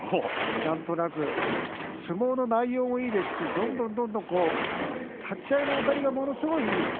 なんとなく相撲の内容もいいですしどんどんどんどん立ち合いのあたりがものすごくいいんです